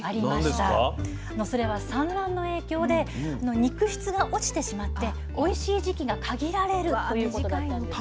それは産卵の影響で肉質が落ちてしまっておいしい時期が限られるということだったんですね。